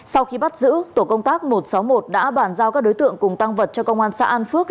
sau khi bắt giữ tổ công tác một trăm sáu mươi một đã bàn giao các đối tượng cùng tăng vật cho công an xã an phước